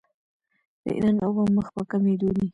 د ایران اوبه مخ په کمیدو دي.